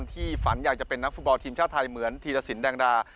ที่ฝันอยากจะเป็นนักฟุตบอลทีมชาติไทยเหมือนธีรสินแดงดา